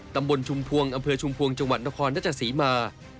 ตำบลชุมพวงอำเภอชุมพวงจังหวัดนครราชสีมา